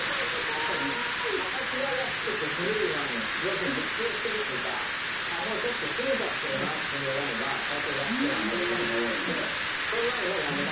やっぱり価格が安くて古いワイン要するに熟成してるっていうかもうちょっと過ぎちゃってるなっていうワインは大体安くなってることが多いんでそういうワインはやめた方がいいです。